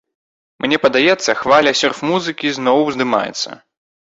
Мне падаецца, хваля сёрф-музыкі зноў ўздымаецца.